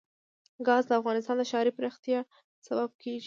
ګاز د افغانستان د ښاري پراختیا سبب کېږي.